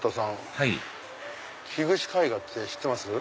はいキグチ絵画って知ってます？